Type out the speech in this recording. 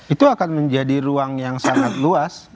itu akan menjadi ruang yang sangat luas